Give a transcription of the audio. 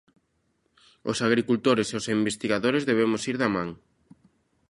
Os agricultores e os investigadores debemos ir da man.